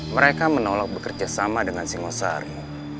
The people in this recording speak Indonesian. mereka menolak bekerja sama dengan singosari